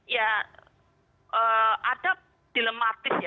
ya ada dilematis ya